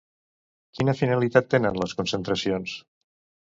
Quina finalitat tenen les concentracions?